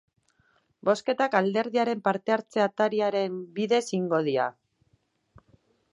Bozketak alderdiaren parte-hartze atariaren bidez egingo dira.